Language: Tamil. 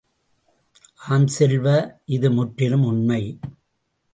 ஆம் செல்வ, இது முற்றிலும் உண்மை!